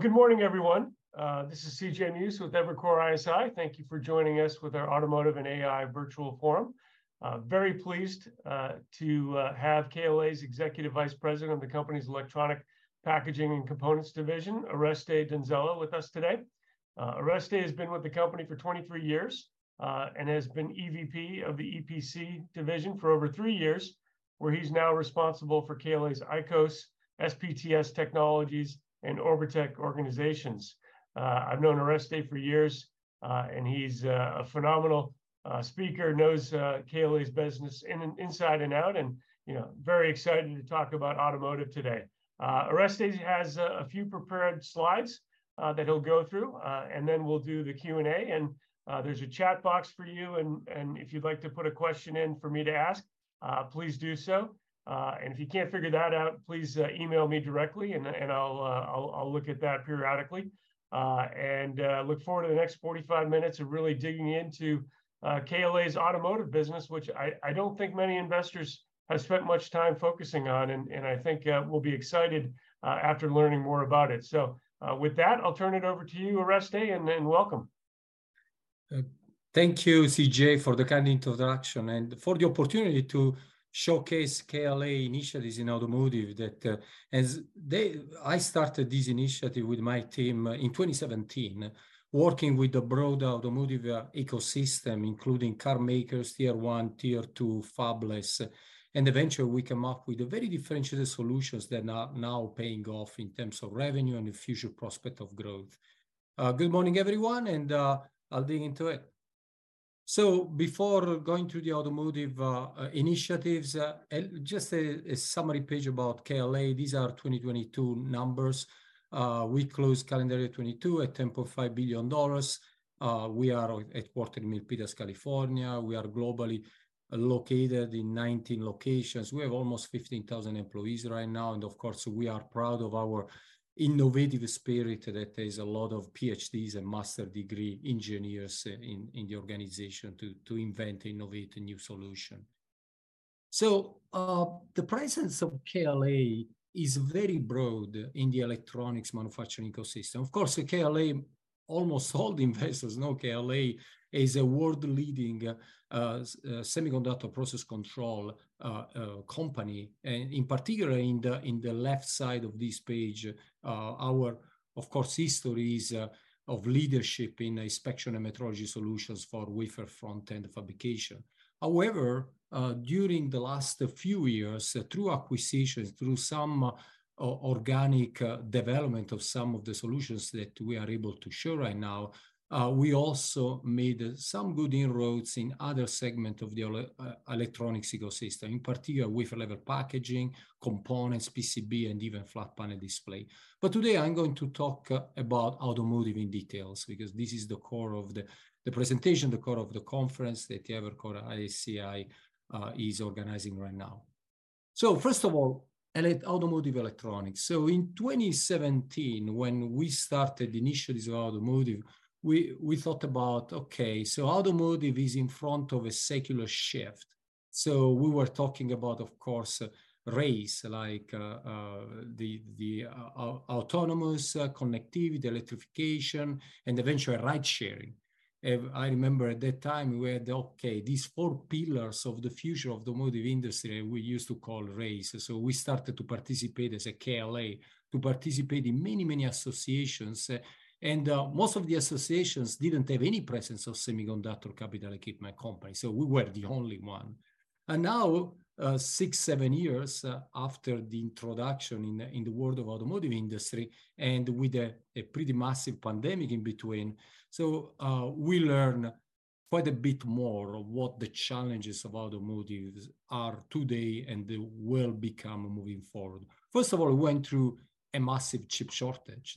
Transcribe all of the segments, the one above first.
Good morning, everyone. This is C.J. Muse with Evercore ISI. Thank you for joining us with our Automotive and AI Virtual Forum. Very pleased to have KLA's Executive Vice President of the company's Electronics, Packaging and Components Division, Oreste Donzella, with us today. Oreste has been with the company for 23 years and has been EVP of the EPC division for over three years, where he's now responsible for KLA's ICOS, SPTS Technologies, and Orbotech organizations. I've known Oreste for years, and he's a phenomenal speaker, knows KLA's business inside and out, and, you know, very excited to talk about automotive today. Oreste has a few prepared slides that he'll go through, and then we'll do the Q&A. There's a chat box for you, and if you'd like to put a question in for me to ask, please do so. And if you can't figure that out, please email me directly, and I'll look at that periodically. And look forward to the next 45 minutes of really digging into KLA's automotive business, which I don't think many investors have spent much time focusing on, and I think will be excited after learning more about it. With that, I'll turn it over to you, Oreste, and welcome. Thank you, C.J., for the kind introduction and for the opportunity to showcase KLA initiatives in automotive that. I started this initiative with my team in 2017, working with the broad automotive ecosystem, including car makers, Tier 1, Tier 2, fabless. Eventually we come up with a very differentiated solutions that are now paying off in terms of revenue and the future prospect of growth. Good morning, everyone, I'll dig into it. Before going to the automotive initiatives, just a summary page about KLA. These are 2022 numbers. We closed calendar year 2022 at $10.5 billion. We are headquartered in Milpitas, California. We are globally located in 19 locations. We have almost 15,000 employees right now. Of course, we are proud of our innovative spirit, that there's a lot of PhDs and master's degree engineers in the organization to invent, innovate a new solution. The presence of KLA is very broad in the electronics manufacturing ecosystem. Of course, KLA, almost all investors know KLA is a world-leading semiconductor process control company. In particular, in the left side of this page, our, of course, history is of leadership in inspection and metrology solutions for wafer front-end fabrication. However, during the last few years, through acquisitions, through some organic development of some of the solutions that we are able to show right now, we also made some good inroads in other segment of the electronics ecosystem, in particular, wafer-level packaging, components, PCB, and even flat panel display. Today I'm going to talk about automotive in details, because this is the core of the presentation, the core of the conference that Evercore ISI is organizing right now. First of all, automotive electronics. In 2017, when we started initiatives of automotive, we thought about, okay, so automotive is in front of a secular shift, so we were talking about, of course, RACE, like the autonomous, connectivity, electrification, and eventually ride-sharing. I remember at that time we had these four pillars of the future of the automotive industry we used to call RACE. We started to participate as a KLA, to participate in many, many associations, and most of the associations didn't have any presence of semiconductor capital equipment company, so we were the only one. Now, six, seven years after the introduction in the world of automotive industry, and with a pretty massive pandemic in between, we learn quite a bit more of what the challenges of automotive are today, and they will become moving forward. We went through a massive chip shortage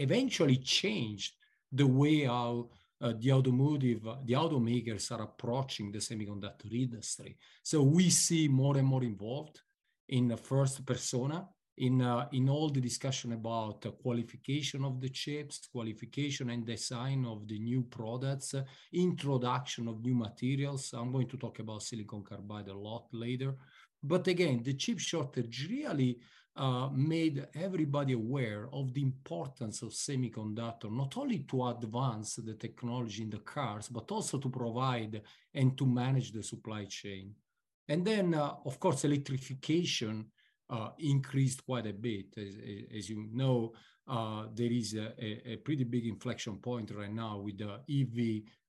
that eventually changed the way how the automotive automakers are approaching the semiconductor industry. We see more and more involved in the first persona, in all the discussion about the qualification of the chips, qualification and design of the new products, introduction of new materials. I'm going to talk about silicon carbide a lot later. Again, the chip shortage really made everybody aware of the importance of semiconductor, not only to advance the technology in the cars, but also to provide and to manage the supply chain. Of course, electrification increased quite a bit. As you know, there is a pretty big inflection point right now with the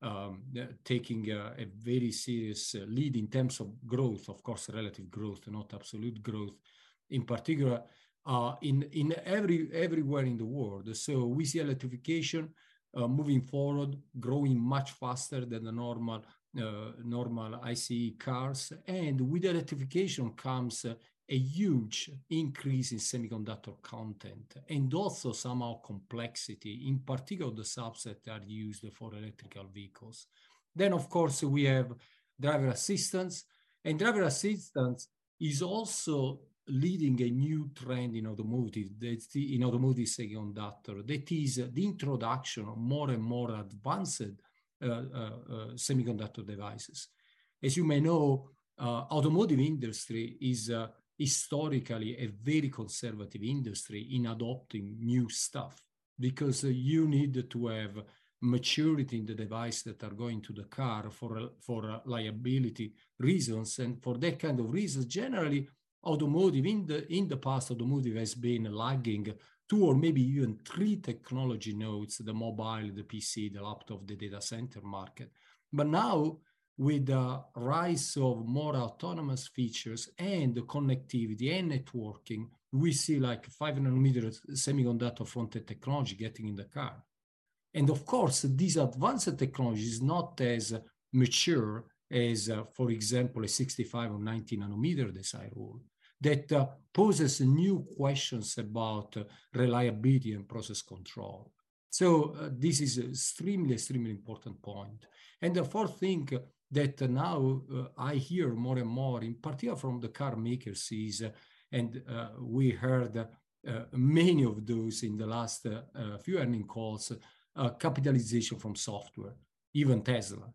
EV taking a very serious lead in terms of growth, of course, relative growth, not absolute growth, in particular, everywhere in the world. We see electrification moving forward, growing much faster than the normal ICE cars. With electrification comes a huge increase in semiconductor content, and also somehow complexity, in particular, the subset that are used for electrical vehicles. Of course, we have driver assistance, and driver assistance is also leading a new trend in automotive, in automotive semiconductor. That is the introduction of more and more advanced semiconductor devices. As you may know, automotive industry is historically a very conservative industry in adopting new stuff, because you need to have maturity in the device that are going to the car for liability reasons. For that kind of reasons, automotive, in the past, automotive has been lagging two or maybe even three technology nodes, the mobile, the PC, the laptop, the data center market. Now, with the rise of more autonomous features and the connectivity and networking, we see, like, 500 nm semiconductor front-end technology getting in the car. Of course, these advanced technologies is not as mature as, for example, a 65 nm or 90 nm design rule, that poses new questions about reliability and process control. This is an extremely important point. The fourth thing that now, I hear more and more, in particular from the car makers is, and, we heard many of those in the last few earning calls, capitalization from software, even Tesla.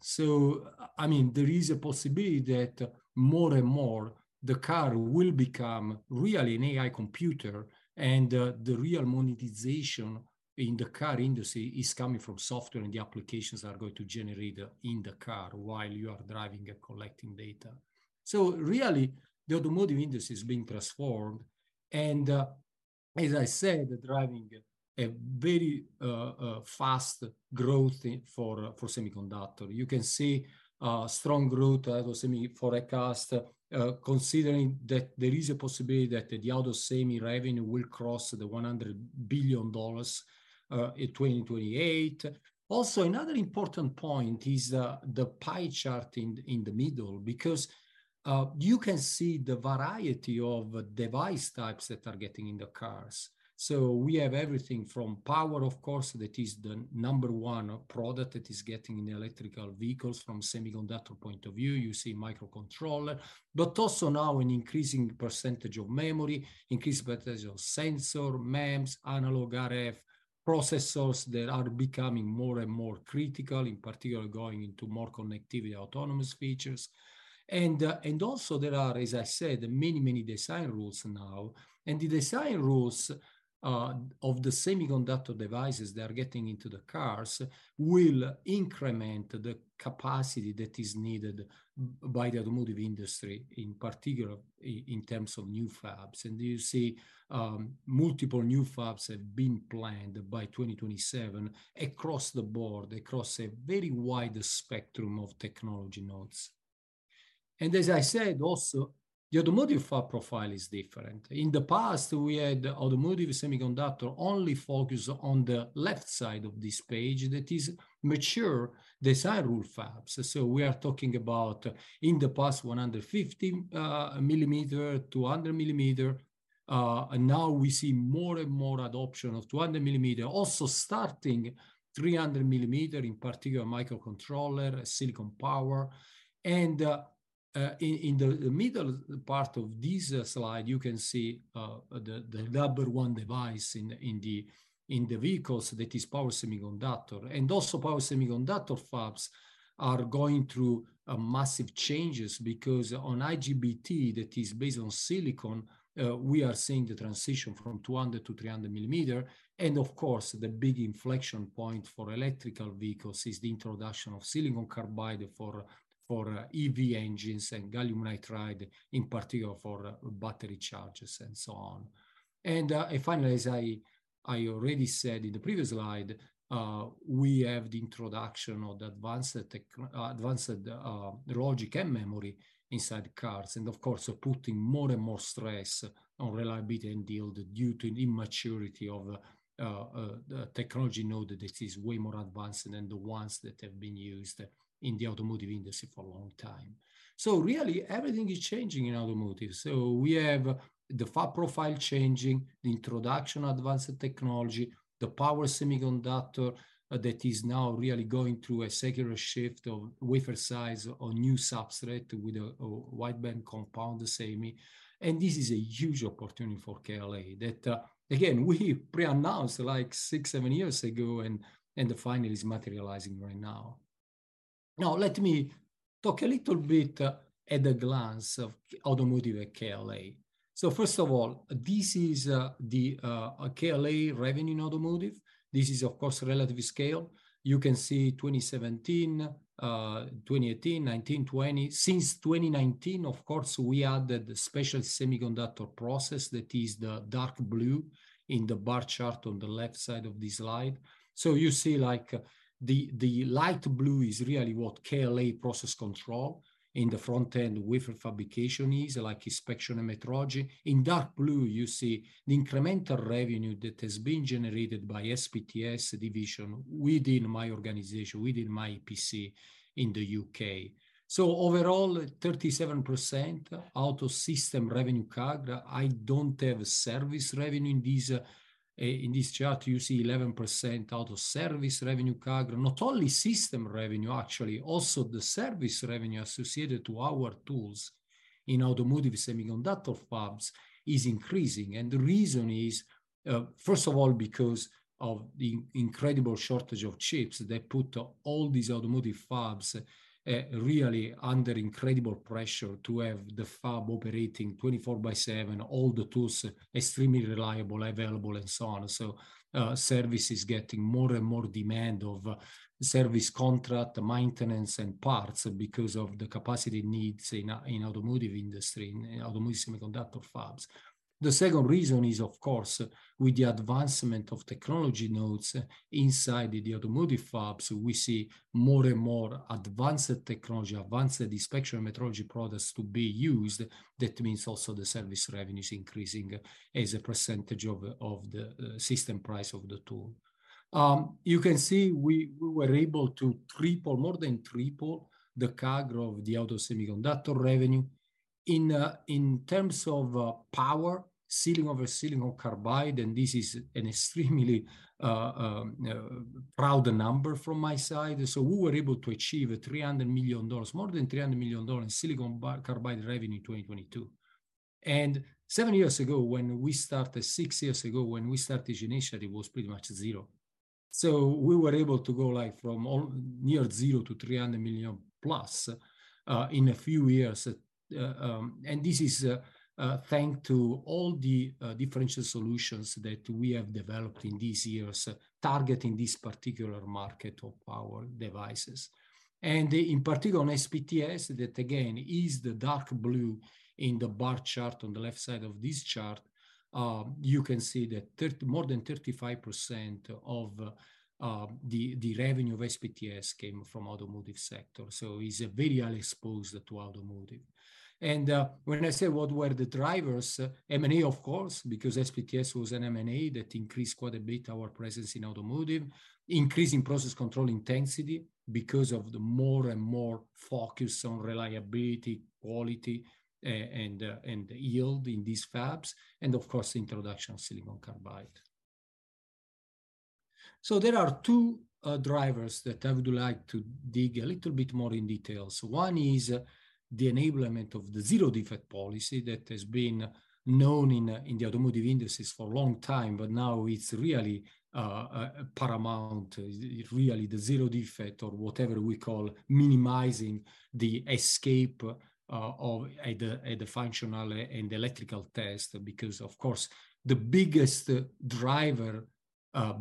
I mean, there is a possibility that more and more the car will become really an AI computer, and the real monetization in the car industry is coming from software, and the applications are going to generate in the car while you are driving and collecting data. Really, the automotive industry is being transformed, and as I said, driving a very fast growth for semiconductor. You can see strong growth auto semi forecast, considering that there is a possibility that the auto semi revenue will cross $100 billion in 2028. Also, another important point is the pie chart in the middle, because you can see the variety of device types that are getting in the cars. We have everything from power, of course, that is the number one product that is getting in the electrical vehicles from semiconductor point of view. You see microcontroller, but also now an increasing percentage of memory, increasing percentage of sensor, MEMS, analog, RF, processors that are becoming more and more critical, in particular, going into more connectivity, autonomous features. Also there are, as I said, many, many design rules now, and the design rules of the semiconductor devices that are getting into the cars will increment the capacity that is needed by the automotive industry, in particular, in terms of new fabs. You see, multiple new fabs have been planned by 2027 across the board, across a very wide spectrum of technology nodes. As I said, also, the automotive fab profile is different. In the past, we had automotive semiconductor only focus on the left side of this page, that is mature design rule fabs. We are talking about, in the past, 150 mm, 200 mm, and now we see more and more adoption of 200 mm. Also, starting 300 mm, in particular, microcontroller, silicon power. In the middle part of this slide, you can see the number 1 device in the vehicles, that is power semiconductor. Also power semiconductor fabs are going through massive changes, because on IGBT, that is based on silicon, we are seeing the transition from 200 to 300 mm. Of course, the big inflection point for electric vehicles is the introduction of silicon carbide for EV engines, and gallium nitride, in particular, for battery chargers, and so on. Finally, as I already said in the previous slide, we have the introduction of the advanced logic and memory inside cars, and of course, putting more and more stress on reliability and yield due to immaturity of the technology node that is way more advanced than the ones that have been used in the automotive industry for a long time. Really, everything is changing in automotive. We have the fab profile changing, the introduction of advanced technology, the power semiconductor that is now really going through a secular shift of wafer size or new substrate with a wide-band compound semi. This is a huge opportunity for KLA, that again, we pre-announced, like, six, seven years ago, and finally is materializing right now. Let me talk a little bit at the glance of automotive at KLA. First of all, this is the KLA revenue in automotive. This is, of course, relative scale. You can see 2017, 2018, 2019, 2020. Since 2019, of course, we added the special semiconductor process, that is the dark blue in the bar chart on the left side of this slide. You see, like, the light blue is really what KLA process control in the front-end wafer fabrication is, like inspection and metrology. In dark blue, you see the incremental revenue that has been generated by SPTS division within my organization, within my PC in the U.K. Overall, 37% out of system revenue CAGR. I don't have service revenue in this, in this chart. You see 11% out of service revenue CAGR. Not only system revenue, actually, also the service revenue associated to our tools in automotive semiconductor fabs is increasing. The reason is, first of all, because of the incredible shortage of chips that put all these automotive fabs really under incredible pressure to have the fab operating 24/7, all the tools extremely reliable, available, and so on. Service is getting more and more demand of service contract, maintenance, and parts because of the capacity needs in automotive industry, in automotive semiconductor fabs. The second reason is, of course, with the advancement of technology nodes inside the automotive fabs, we see more and more advanced technology, advanced inspection metrology products to be used. That means also the service revenue is increasing as a % of the system price of the tool. You can see we were able to triple, more than triple the CAGR of the auto semiconductor revenue in terms of power, silicon over silicon carbide, and this is an extremely proud number from my side. We were able to achieve $300 million, more than $300 million in silicon carbide revenue in 2022. Six years ago, when we started this initiative, it was pretty much zero. We were able to go, like, from near zero to $300+ million, in a few years. This is thank to all the differential solutions that we have developed in these years, targeting this particular market of power devices. In particular, on SPTS, that again, is the dark blue in the bar chart on the left side of this chart, you can see that more than 35% of the revenue of SPTS came from automotive sector, so is very exposed to automotive. When I say what were the drivers, M&A, of course, because SPTS was an M&A that increased quite a bit our presence in automotive. Increasing process control intensity because of the more and more focus on reliability, quality, and yield in these fabs, and of course, the introduction of silicon carbide. There are two drivers that I would like to dig a little bit more in detail. One is the enablement of the zero-defect policy that has been known in the automotive industries for a long time, but now it's really paramount. It's really the zero defect or whatever we call minimizing the escape of at the functional and electrical test. Of course, the biggest driver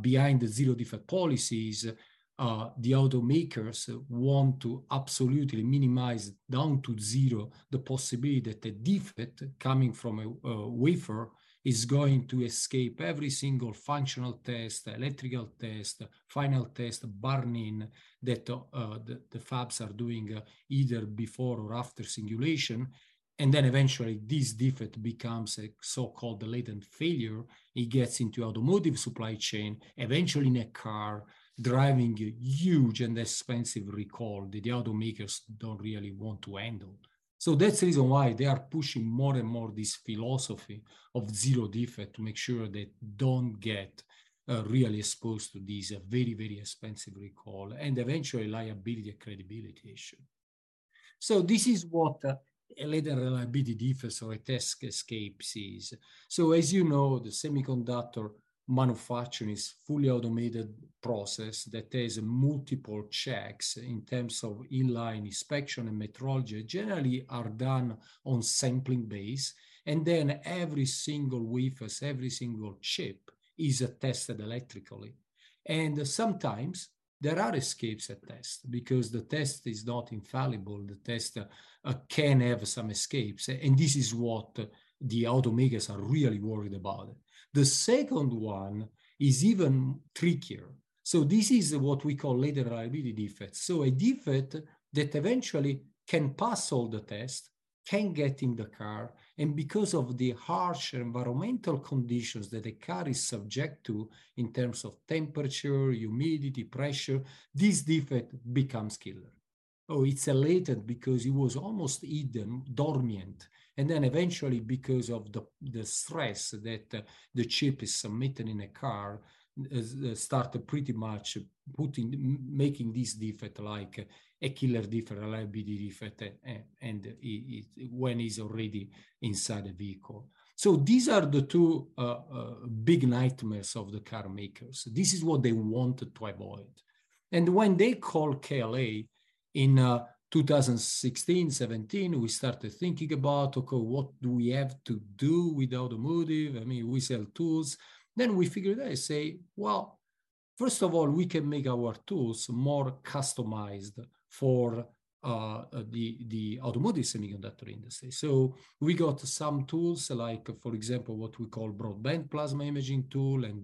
behind the zero-defect policy is the automakers want to absolutely minimize, down to zero, the possibility that a defect coming from a wafer is going to escape every single functional test, electrical test, final test, burn-in, that the fabs are doing either before or after singulation. Eventually, this defect becomes a so-called latent failure. It gets into automotive supply chain, eventually in a car, driving a huge and expensive recall that the automakers don't really want to handle. That's the reason why they are pushing more and more this philosophy of zero defect, to make sure they don't get really exposed to this very, very expensive recall and eventually liability and credibility issue. This is what a latent reliability defect or a test escape is. As you know, the semiconductor manufacturing is fully automated process, that there is multiple checks in terms of in-line inspection and metrology, generally are done on sampling base, and then every single wafers, every single chip, is tested electrically. Sometimes there are escapes at test, because the test is not infallible, the test can have some escapes, and this is what the automakers are really worried about. The second one is even trickier. This is what we call latent reliability defect. A defect that eventually can pass all the tests, can get in the car, and because of the harsh environmental conditions that a car is subject to in terms of temperature, humidity, pressure, this defect becomes killer, or it's latent because it was almost hidden, dormant, and then eventually, because of the stress that the chip is submitted in a car, start pretty much making this defect like a killer defect, a liability defect, and it when it's already inside a vehicle. These are the two big nightmares of the car makers. This is what they want to avoid. When they call KLA in 2016, 2017, we started thinking about, "Okay, what do we have to do with automotive?" I mean, we sell tools. We figured, I say, "Well, first of all, we can make our tools more customized for the automotive semiconductor industry." We got some tools like, for example, what we call broadband plasma imaging tool, and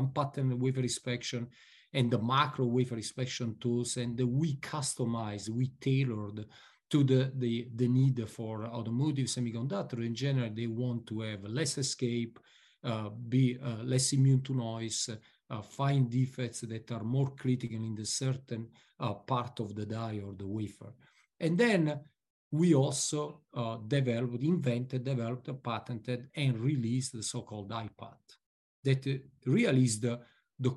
unpatterned wafer inspection, and the macro wafer inspection tools, and we customize, we tailored to the need for automotive semiconductor. In general, they want to have less escape, be less immune to noise, find defects that are more critical in the certain part of the die or the wafer. We also developed, invented, developed, patented, and released the so-called I-PAT, that really is the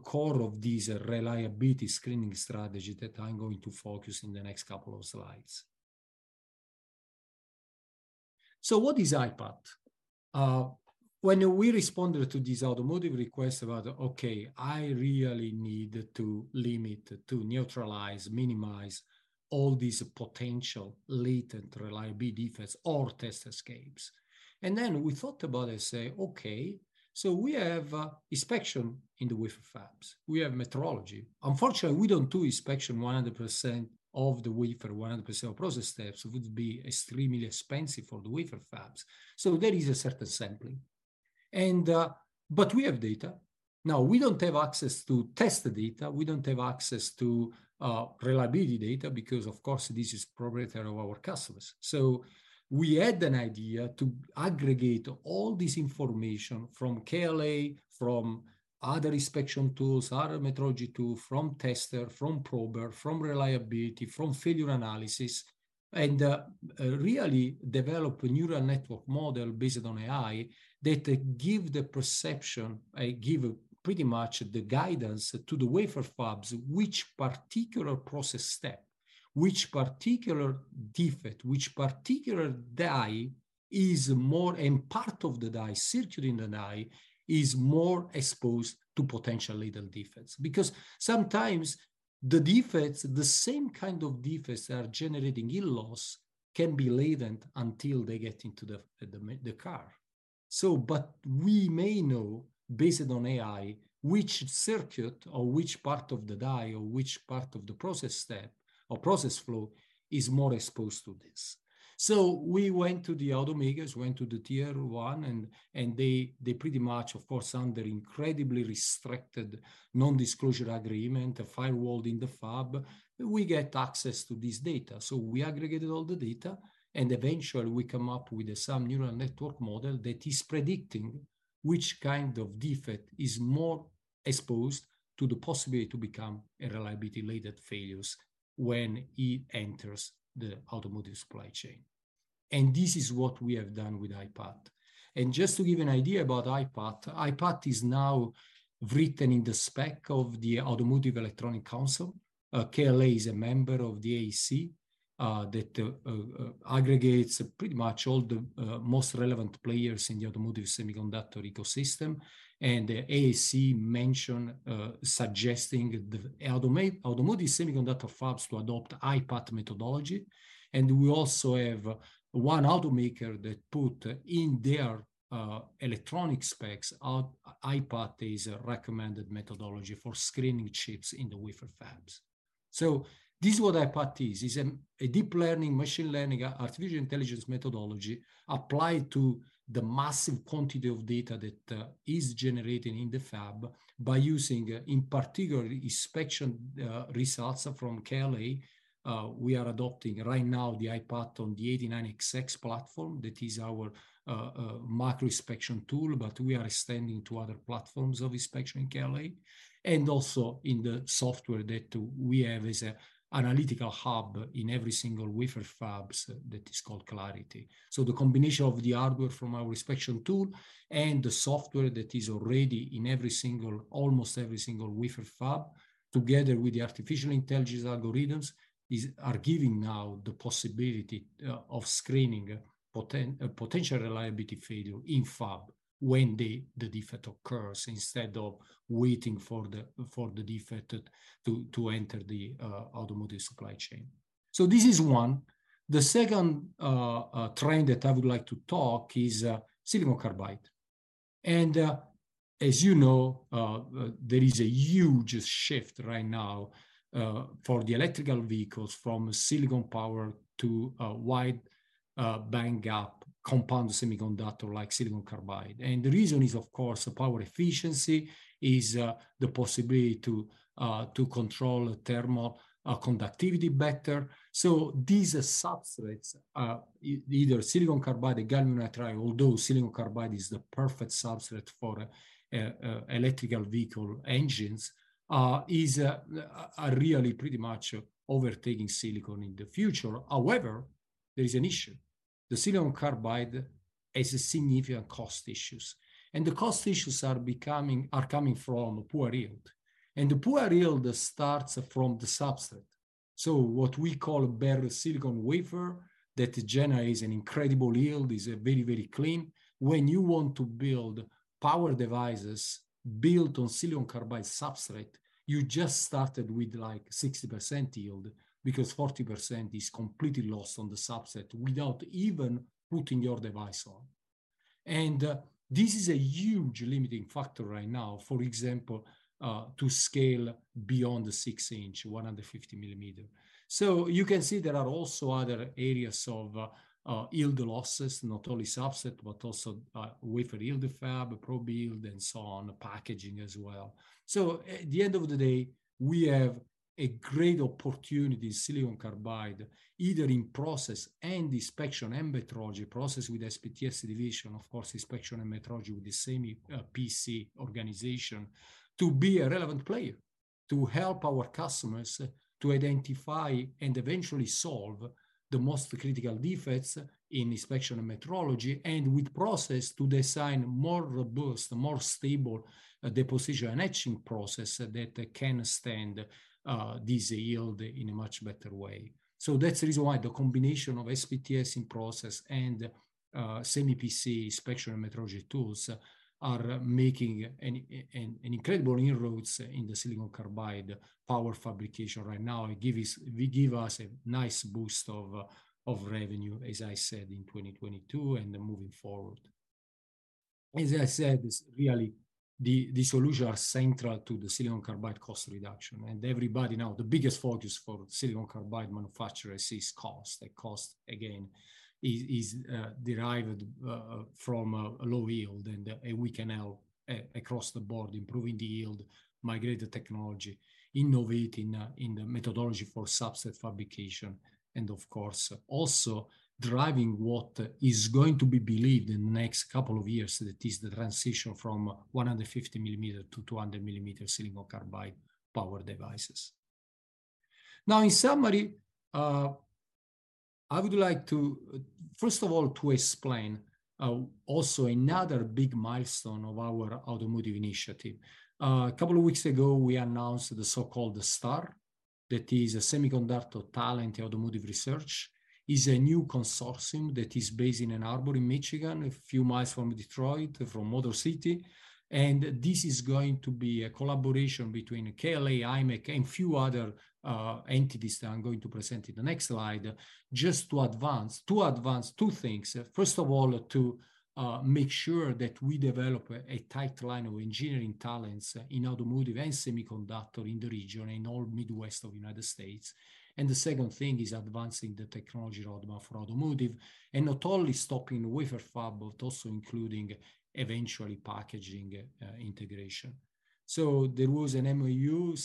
core of this reliability screening strategy that I'm going to focus in the next couple of slides. What is I-PAT? When we responded to this automotive request about, "Okay, I really need to limit, to neutralize, minimize all these potential latent reliability defects or test escapes." We thought about it, say, "Okay, so we have inspection in the wafer fabs. We have metrology." Unfortunately, we don't do inspection 100% of the wafer, 100% of process steps. It would be extremely expensive for the wafer fabs. There is a certain sampling, we have data. We don't have access to test data, we don't have access to reliability data, because of course, this is proprietary of our customers. We had an idea to aggregate all this information from KLA, from other inspection tools, other metrology tool, from tester, from prober, from reliability, from failure analysis and really develop a neural network model based on AI that give the perception, give pretty much the guidance to the wafer fabs, which particular process step, which particular defect, which particular die is more, and part of the die, circuit in the die, is more exposed to potential latent defects. Sometimes the defects, the same kind of defects that are generating yield loss can be latent until they get into the car. We may know, based on AI, which circuit or which part of the die, or which part of the process step or process flow is more exposed to this. We went to the automakers, went to the Tier 1, and they pretty much, of course, under incredibly restricted non-disclosure agreement, a firewall in the fab, we get access to this data. We aggregated all the data, eventually we come up with some neural network model that is predicting which kind of defect is more exposed to the possibility to become a reliability-related failures when it enters the automotive supply chain. This is what we have done with I-PAT. Just to give an idea about I-PAT, I-PAT is now written in the spec of the Automotive Electronics Council. KLA is a member of the AEC that aggregates pretty much all the most relevant players in the automotive semiconductor ecosystem. The AEC mention suggesting the automotive semiconductor fabs to adopt I-PAT methodology. We also have one automaker that put in their electronic specs, our I-PAT is a recommended methodology for screening chips in the wafer fabs. This is what I-PAT is. It's a deep learning, machine learning, artificial intelligence methodology applied to the massive quantity of data that is generated in the fab by using, in particular, inspection results from KLA. We are adopting right now the I-PAT on the 89xx Series. That is our macro inspection tool, but we are extending to other platforms of inspection in KLA, and also in the software that we have as an analytical hub in every single wafer fabs that is called Klarity. The combination of the hardware from our inspection tool and the software that is already in almost every single wafer fab, together with the artificial intelligence algorithms are giving now the possibility of screening a potential reliability failure in fab when the defect occurs, instead of waiting for the defect to enter the automotive supply chain. This is one. The second trend that I would like to talk is silicon carbide. As you know, there is a huge shift right now for the electrical vehicles from silicon power to wide-bandgap compound semiconductor, like silicon carbide. The reason is, of course, the power efficiency, the possibility to control thermal conductivity better. These substrates are either silicon carbide or gallium nitride, although silicon carbide is the perfect substrate for electrical vehicle engines, are really pretty much overtaking silicon in the future. However, there is an issue. The silicon carbide has significant cost issues. The cost issues are coming from poor yield, and the poor yield starts from the substrate. What we call bare silicon wafer, that generates an incredible yield, is very, very clean. When you want to build power devices built on silicon carbide substrate, you just started with 60% yield, because 40% is completely lost on the substrate without even putting your device on. This is a huge limiting factor right now, for example, to scale beyond the 6-in, 150 mm. You can see there are also other areas of yield losses, not only substrate, but also wafer yield, fab, probe yield, and so on, packaging as well. At the end of the day, we have a great opportunity in silicon carbide, either in process and inspection and metrology, process with SPTS division, of course, inspection and metrology with the Semi PC organization, to be a relevant player. To help our customers to identify and eventually solve the most critical defects in inspection and metrology, and with process, to design more robust, more stable deposition and etching process that can stand this yield in a much better way. That's the reason why the combination of SPTS in process and Semi PC inspection and metrology tools are making an incredible inroads in the silicon carbide power fabrication right now, and give us a nice boost of revenue, as I said, in 2022 and then moving forward. As I said, this really, the solution are central to the silicon carbide cost reduction. Everybody know the biggest focus for silicon carbide manufacturers is cost. The cost, again, is derived from a low yield. We can help across the board, improving the yield, migrate the technology, innovating in the methodology for substrate fabrication. Of course, also driving what is going to be believed in the next couple of years, that is the transition from 150 mm to 200 mm silicon carbide power devices. In summary, I would like to, first of all, to explain also another big milestone of our automotive initiative. A couple of weeks ago, we announced the so-called STAR, that is a Semiconductor Talent Automotive Research, is a new consortium that is based in Ann Arbor, in Michigan, a few miles from Detroit, from Motor City. This is going to be a collaboration between KLA, imec, and a few other entities that I'm going to present in the next slide, just to advance two things. First of all, to make sure that we develop a pipeline of engineering talents in automotive and semiconductor in the region, in all Midwest of United States. The second thing is advancing the technology roadmap for automotive, and not only stopping wafer fab, but also including eventually packaging integration. There was an MOU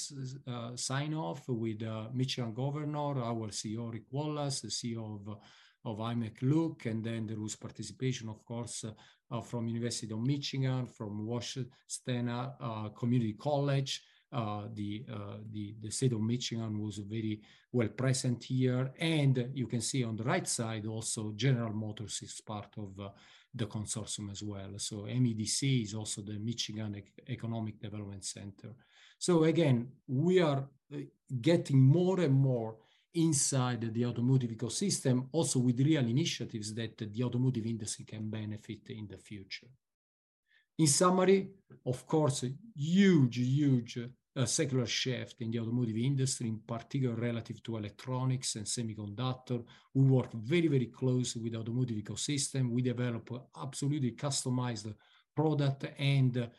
sign off with the Michigan governor, our CEO, Rick Wallace, the CEO of imec, Luc, and then there was participation, of course, from University of Michigan, from Washtenaw Community College. The, the state of Michigan was very well present here, and you can see on the right side also, General Motors is part of the consortium as well. MEDC is also the Michigan Economic Development Corporation. Again, we are getting more and more inside the automotive ecosystem, also with real initiatives that the automotive industry can benefit in the future. In summary, of course, a huge, huge secular shift in the automotive industry, in particular relative to electronics and semiconductor. We work very, very closely with automotive ecosystem. We develop absolutely customized product and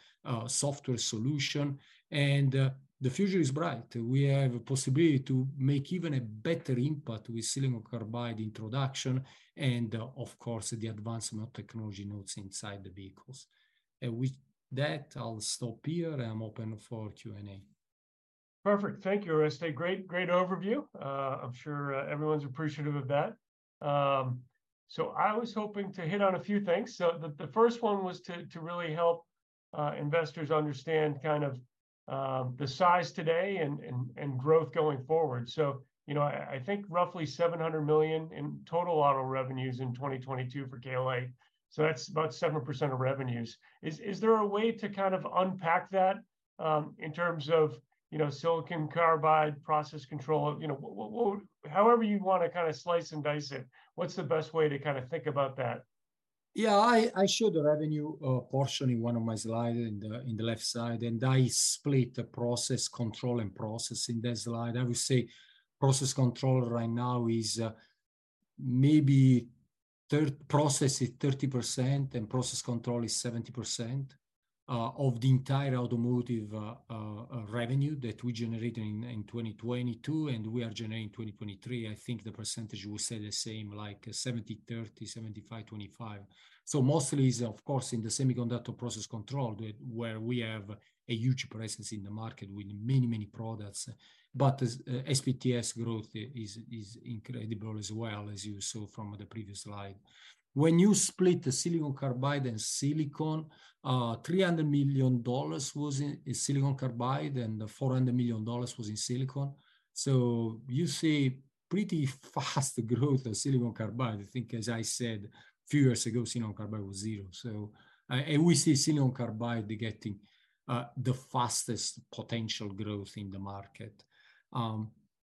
software solution, and the future is bright. We have a possibility to make even a better impact with silicon carbide introduction and, of course, the advancement of technology nodes inside the vehicles. With that, I'll stop here, and I'm open for Q&A. Perfect. Thank you, Oreste. Great overview. I'm sure everyone's appreciative of that. I was hoping to hit on a few things. The first one was to really help investors understand kind of the size today and growth going forward. You know, I think roughly $700 million in total auto revenues in 2022 for KLA, so that's about 7% of revenues. Is there a way to kind of unpack that in terms of, you know, silicon carbide, process control? You know, however you'd want to kind of slice and dice it, what's the best way to kind of think about that? Yeah, I showed the revenue portion in one of my slides in the left side, and I split the process control and process in that slide. I would say process control right now is maybe process is 30% and process control is 70% of the entire automotive revenue that we generated in 2022, and we are generating 2023. I think the percentage will stay the same, like 70/30, 75/25. Mostly is, of course, in the semiconductor process control, where we have a huge presence in the market with many, many products. The SPTS growth is incredible as well, as you saw from the previous slide. When you split the silicon carbide and silicon, $300 million was in silicon carbide, and $400 million was in silicon. You see pretty fast growth of silicon carbide. I think, as I said, few years ago, silicon carbide was zero. We see silicon carbide getting the fastest potential growth in the market.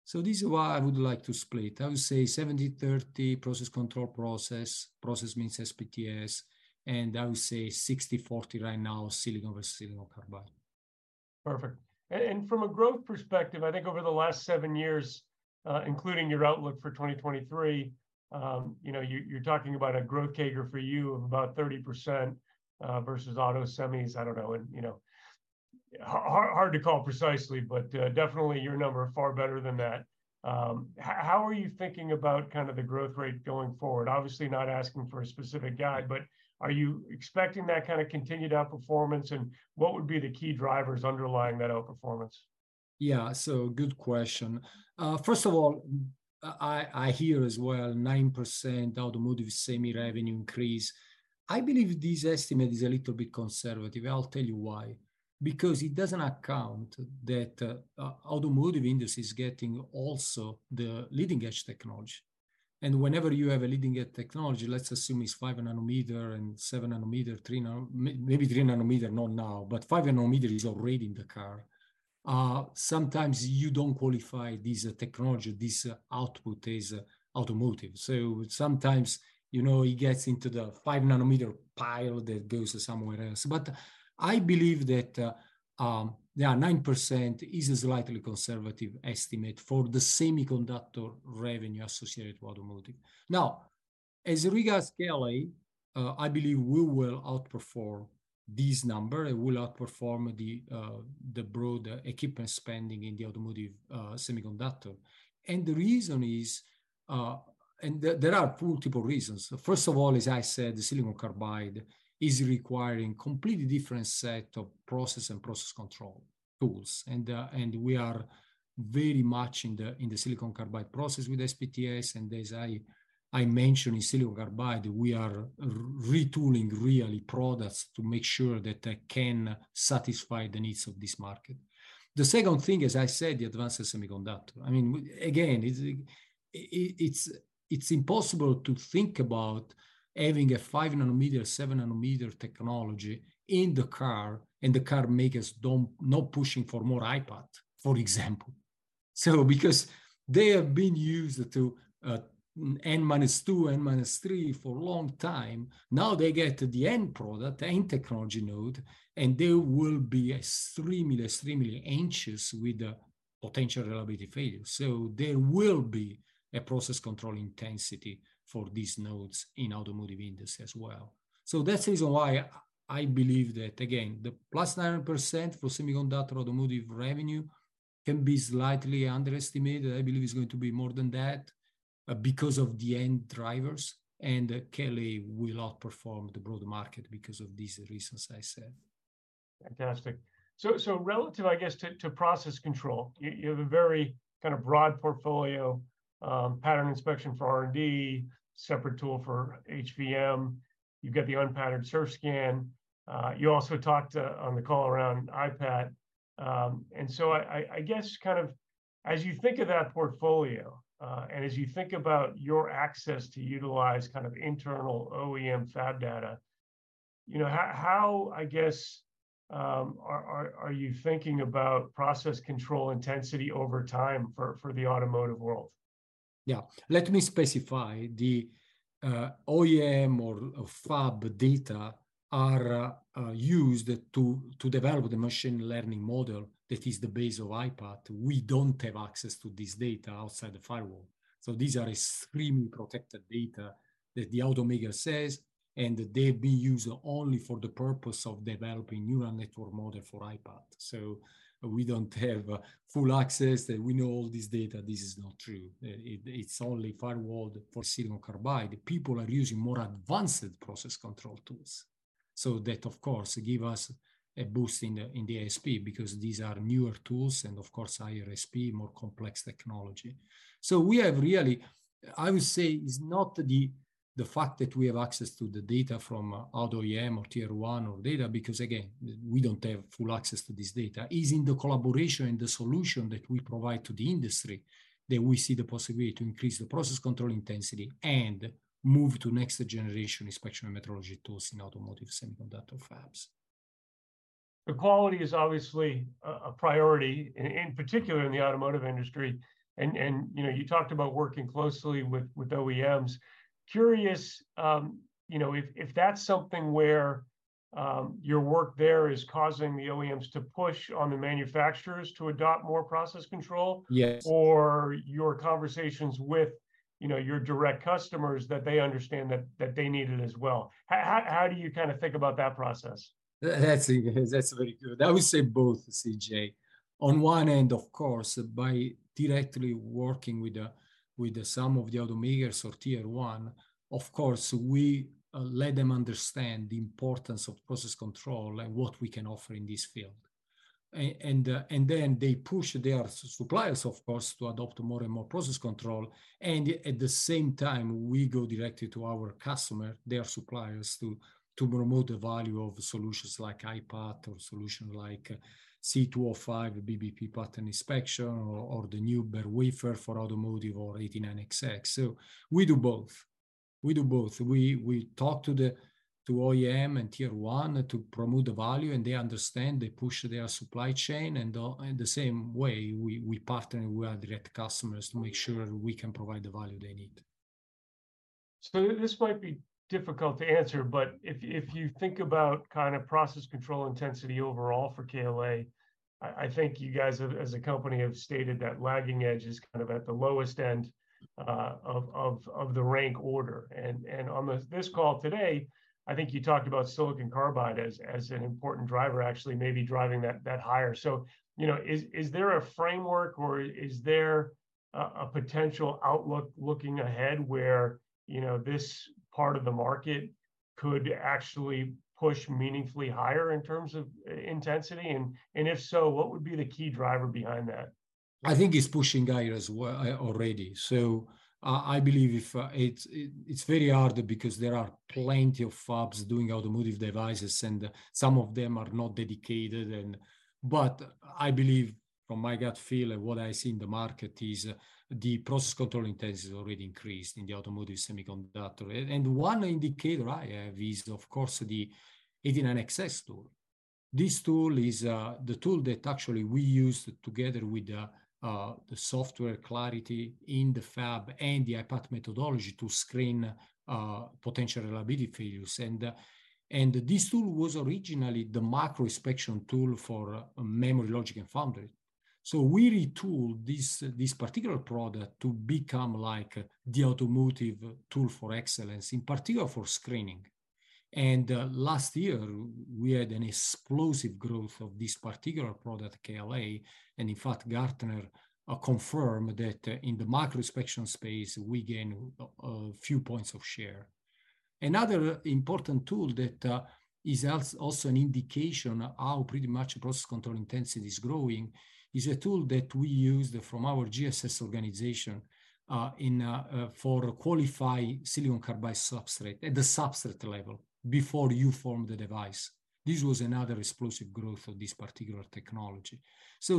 This is why I would like to split. I would say 70/30, process control, process. Process means SPTS, and I would say 60/40 right now, silicon versus silicon carbide. Perfect. From a growth perspective, I think over the last seven years, including your outlook for 2023, you know, you're talking about a growth CAGR for you of about 30%, versus auto semis. I don't know, you know, hard to call precisely, but, definitely your number are far better than that. How are you thinking about kind of the growth rate going forward? Obviously, not asking for a specific guide, but are you expecting that kind of continued outperformance, and what would be the key drivers underlying that outperformance? Good question. First of all, I hear as well, 9% automotive semi revenue increase. I believe this estimate is a little bit conservative. I'll tell you why: because it doesn't account that automotive industry is getting also the leading-edge technology, and whenever you have a leading-edge technology, let's assume it's 5 nm and 7 nm, maybe 3 nm, not now, but 5 nm is already in the car. Sometimes you don't qualify this technology, this output, as automotive. Sometimes, you know, it gets into the 5 nm pile that goes somewhere else. I believe that 9% is a slightly conservative estimate for the semiconductor revenue associated with automotive. Now, as regards KLA, I believe we will outperform this number and will outperform the broader equipment spending in the automotive semiconductor. The reason is. There are multiple reasons. First of all, as I said, the silicon carbide is requiring completely different set of process and process control tools, and we are very much in the silicon carbide process with SPTS. As I mentioned, in silicon carbide, we are retooling, really, products to make sure that they can satisfy the needs of this market. The second thing, as I said, the advanced semiconductor. I mean, again, it's impossible to think about having a 5 nm, 7 nm technology in the car, and the car makers don't, not pushing for more I-PAT, for example. Because they have been used to N-2, N-3 for a long time, now they get to the end product, the end technology node, and they will be extremely anxious with the potential reliability failure. There will be a process control intensity for these nodes in automotive industry as well. That's the reason why I believe that, again, the +9% for semiconductor automotive revenue can be slightly underestimated. I believe it's going to be more than that, because of the end drivers, and KLA will outperform the broad market because of these reasons I said. Fantastic. Relative, I guess, to process control, you have a very kind of broad portfolio, pattern inspection for R&D, separate tool for HVM. You've got the unpatterned Surfscan. You also talked on the call around I-PAT. I guess kind of as you think of that portfolio, and as you think about your access to utilize kind of internal OEM fab data, you know, how, I guess, are you thinking about process control intensity over time for the automotive world? Yeah. Let me specify the OEM or fab data are used to develop the machine learning model that is the base of I-PAT. We don't have access to this data outside the firewall. These are extremely protected data that the automaker says, and they've been used only for the purpose of developing neural network model for I-PAT. We don't have full access, that we know all this data, this is not true. It's only firewalled for silicon carbide. People are using more advanced process control tools. That, of course, give us a boost in the ASP because these are newer tools and, of course, higher ASP, more complex technology. We have really, I would say, it's not the fact that we have access to the data from other OEM or Tier 1 or data, because, again, we don't have full access to this data. It is in the collaboration and the solution that we provide to the industry that we see the possibility to increase the process control intensity and move to next generation inspection metrology tools in automotive semiconductor fabs. The quality is obviously a priority, in particular in the automotive industry, and, you know, you talked about working closely with OEMs. Curious, you know, if that's something where your work there is causing the OEMs to push on the manufacturers to adopt more process control. Yes. Or your conversations with, you know, your direct customers that they understand that they need it as well. How do you kind of think about that process? That's very good. I would say both, C.J. On one end, of course, by directly working with the, with some of the automakers or Tier 1, of course, we let them understand the importance of process control and what we can offer in this field. They push their suppliers, of course, to adopt more and more process control, and at the same time, we go directly to our customer, their suppliers, to promote the value of solutions like I-PAT or solution like C205, BBP pattern inspection, or the new bare wafer for automotive or 89xx. We do both. We do both. We talk to OEM and Tier 1 to promote the value, and they understand, they push their supply chain. In the same way, we partner with our direct customers to make sure we can provide the value they need. This might be difficult to answer, but if you think about kind of process control intensity overall for KLA, I think you guys as a company have stated that lagging edge is kind of at the lowest end of the rank order. On this call today, I think you talked about silicon carbide as an important driver, actually maybe driving that higher. You know, is there a framework, or is there a potential outlook looking ahead where, you know, this part of the market could actually push meaningfully higher in terms of intensity? If so, what would be the key driver behind that? I think it's pushing higher as well, already. I believe if... it's very hard because there are plenty of fabs doing automotive devices, and some of them are not dedicated, and... I believe, from my gut feel and what I see in the market, is the process control intensity has already increased in the automotive semiconductor. One indicator I have is, of course, the 89xx tool. This tool is the tool that actually we use together with the software Klarity in the fab and the I-PAT methodology to screen potential reliability failures. This tool was originally the micro inspection tool for memory logic and foundry. We retooled this particular product to become like the automotive tool for excellence, in particular for screening. Last year, we had an explosive growth of this particular product, KLA, and in fact, Gartner confirmed that in the micro inspection space, we gain a few points of share. Another important tool that is also an indication how pretty much process control intensity is growing, is a tool that we use from our GSS organization for qualifying silicon carbide substrate at the substrate level, before you form the device. This was another explosive growth of this particular technology.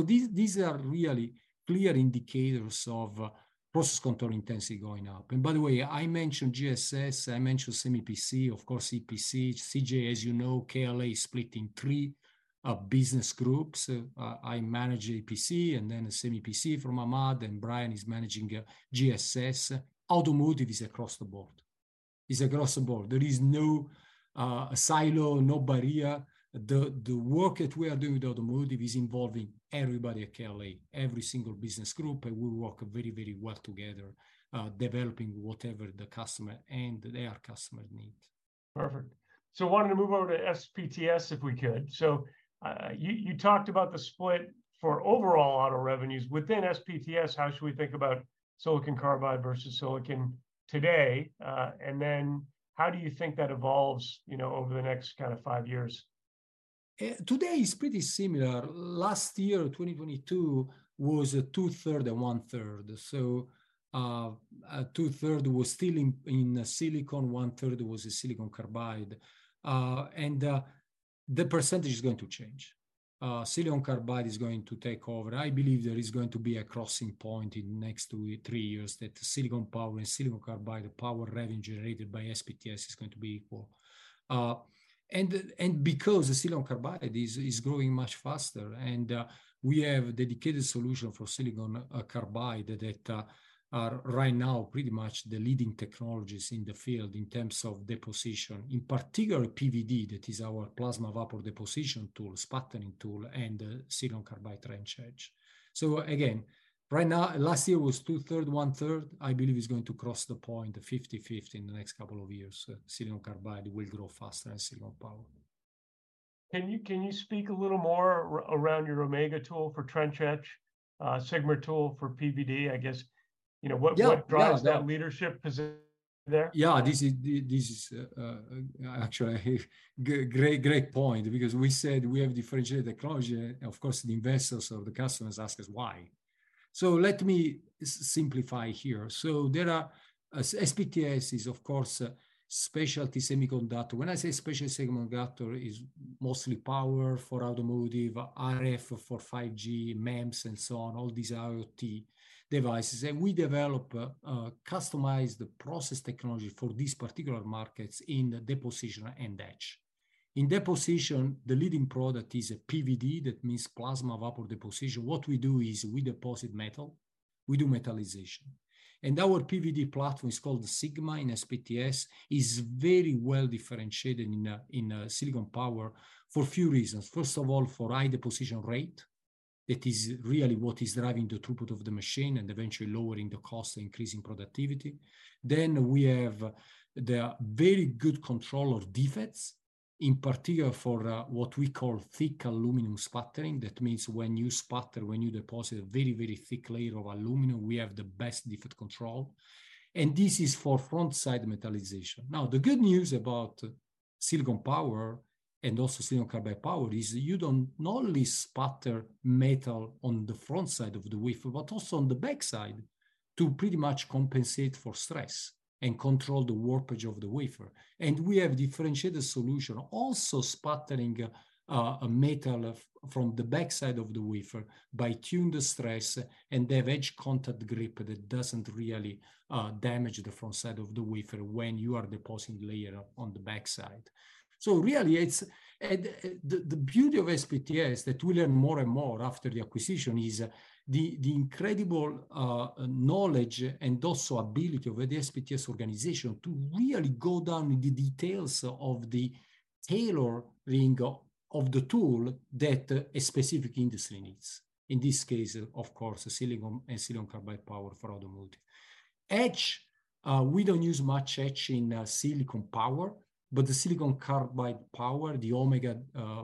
These are really clear indicators of process control intensity going up. By the way, I mentioned GSS, I mentioned SEMI PC, of course, EPC. C.J., as you know, KLA is split in three business groups. I manage EPC, and then SEMI PC from Ahmad, and Brian is managing GSS. Automotive is across the board. Is across the board. There is no silo, no barrier. The work that we are doing with automotive is involving everybody at KLA, every single business group, and we work very, very well together, developing whatever the customer and their customer needs. Perfect. I wanted to move over to SPTS, if we could. You talked about the split for overall auto revenues. Within SPTS, how should we think about silicon carbide versus silicon today, then how do you think that evolves, you know, over the next kind of five years? Today is pretty similar. Last year, 2022, was two-third and one-third. Two-third was still in silicon, one-third was in silicon carbide. The percentage is going to change. Silicon carbide is going to take over. I believe there is going to be a crossing point in next two, three years, that silicon power and silicon carbide, the power revenue generated by SPTS is going to be equal. Because the silicon carbide is growing much faster, and we have dedicated solution for silicon carbide that are right now pretty much the leading technologies in the field in terms of deposition. In particular, PVD, that is our plasma vapor deposition tool, sputtering tool, and the silicon carbide trench etch. Again, right now, last year was two-third, one-third. I believe it's going to cross the point, 50/50, in the next couple of years. Silicon carbide will grow faster than silicon power. Can you speak a little more around your Omega tool for trench etch, Sigma tool for PVD? I guess, you know? Yeah, yeah. What drives that leadership position there? This is actually, great point because we said we have differentiated technology, and of course, the investors or the customers ask us why. Let me simplify here. There are SPTS is, of course, a specialty semiconductor. When I say specialty semiconductor, is mostly power for automotive, RF for 5G, MEMS, and so on, all these IoT devices. We develop a customized process technology for these particular markets in deposition and etch. In deposition, the leading product is a PVD, that means plasma vapor deposition. What we do is we deposit metal. We do metallization. Our PVD platform is called the Sigma in SPTS, is very well-differentiated in silicon power for a few reasons. For high deposition rate, that is really what is driving the throughput of the machine and eventually lowering the cost, increasing productivity. We have the very good control of defects, in particular for what we call thick aluminum sputtering. That means when you sputter, when you deposit a very, very thick layer of aluminum, we have the best defect control, and this is for front-side metallization. The good news about silicon power, and also silicon carbide power, is you don't normally sputter metal on the front side of the wafer, but also on the back side, to pretty much compensate for stress and control the warpage of the wafer. We have differentiated solution, also sputtering a metal from the back side of the wafer by tune the stress and have edge contact grip that doesn't really damage the front side of the wafer when you are depositing layer on the back side. Really, it's the beauty of SPTS, that we learn more and more after the acquisition, is the incredible knowledge and also ability of the SPTS organization to really go down in the details of the tailoring of the tool that a specific industry needs. In this case, of course, silicon and silicon carbide power for automotive. Etch, we don't use much etch in silicon power, but the silicon carbide power, the Omega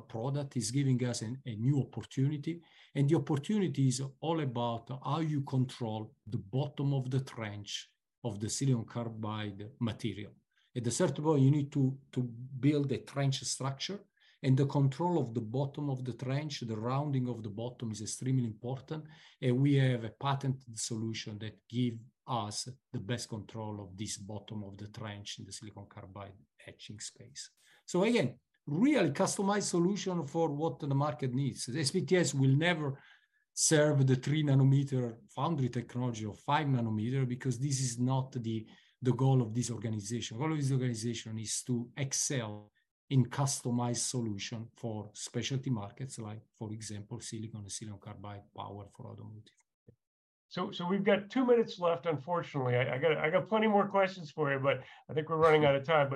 product, is giving us a new opportunity, and the opportunity is all about how you control the bottom of the trench of the silicon carbide material. At the certain point, you need to build a trench structure, and the control of the bottom of the trench, the rounding of the bottom, is extremely important, and we have a patented solution that give us the best control of this bottom of the trench in the silicon carbide etching space. Again, really customized solution for what the market needs. SPTS will never serve the 3-nm foundry technology or 5 nm because this is not the goal of this organization. The goal of this organization is to excel in customized solution for specialty markets like, for example, silicon and silicon carbide power for automotive. We've got two minutes left, unfortunately. I got plenty more questions for you, but I think we're running out of time.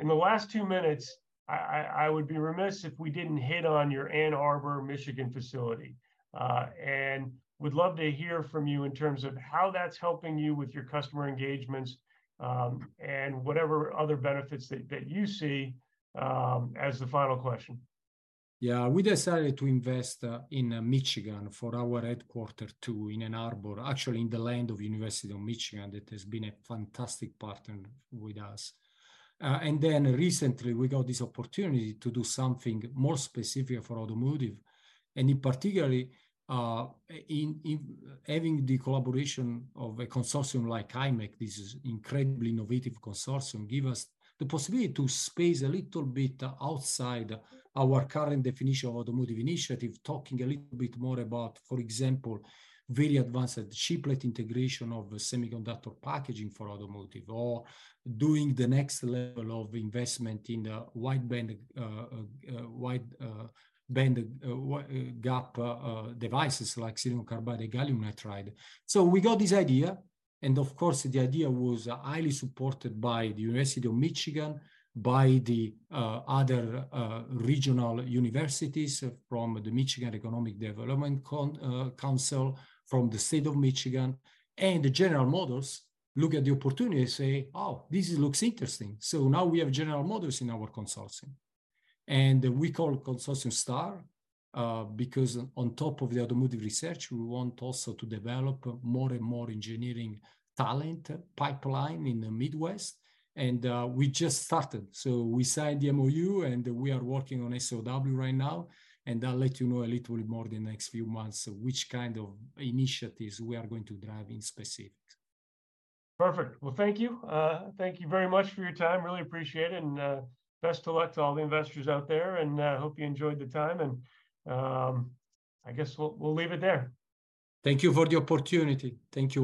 In the last two minutes, I would be remiss if we didn't hit on your Ann Arbor, Michigan facility. And would love to hear from you in terms of how that's helping you with your customer engagements, and whatever other benefits that you see, as the final question. Yeah, we decided to invest in Michigan for our headquarters, too, in Ann Arbor. Actually, in the land of University of Michigan, that has been a fantastic partner with us. Recently, we got this opportunity to do something more specific for automotive, and in particular, in having the collaboration of a consortium like imec, this is incredibly innovative consortium, give us the possibility to space a little bit outside our current definition of automotive initiative. Talking a little bit more about, for example, very advanced chiplet integration of semiconductor packaging for automotive, or doing the next level of investment in the wide-band gap devices like silicon carbide, gallium nitride. We got this idea, and of course, the idea was highly supported by the University of Michigan, by the other regional universities from the Michigan Economic Development Council, from the State of Michigan, and General Motors look at the opportunity and say, "Oh, this looks interesting." Now we have General Motors in our consortium, and we call consortium STAR, because on top of the automotive research, we want also to develop more and more engineering talent pipeline in the Midwest, and we just started. We signed the MOU, and we are working on SOW right now, and I'll let you know a little bit more the next few months which kind of initiatives we are going to drive in specific. Perfect. Well, thank you. Thank you very much for your time, really appreciate it, and best of luck to all the investors out there. I hope you enjoyed the time, and I guess we'll leave it there. Thank you for the opportunity. Thank you.